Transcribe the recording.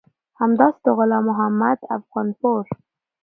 همداسې د غلام محمد افغانپور